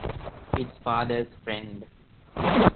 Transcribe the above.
It's father's friend.